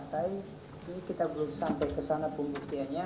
jadi kita belum sampai kesana pembuktiannya